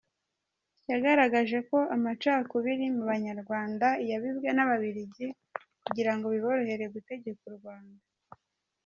Yagaragaje ko amacakubiri mu Banyarwanda yabibwe n’Ababiligi kugira ngo biborohere gutegeka u Rwanda.